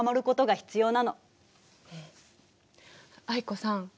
藍子さん